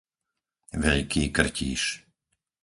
Veľký Krtíš